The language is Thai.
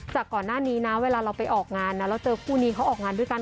จากก่อนหน้านี้นะเวลาเราไปออกงานนะเราเจอคู่นี้เขาออกงานด้วยกัน